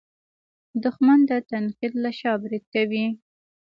دښمن د تنقید له شا برید کوي